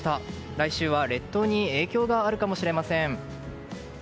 来週は列島に影響があるかもしれません。